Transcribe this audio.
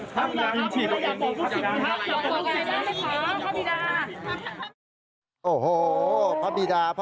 แล้วออกไปจะอ่ามน้ำไหมครับพระบิดาครับ